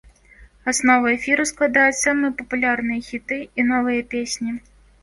Аснову эфіру складаюць самыя папулярныя хіты і новыя песні.